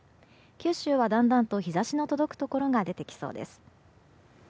九州は、だんだんと日差しが届くところが出てきそうです。